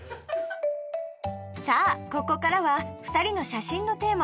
さあここからは２人の写真のテーマ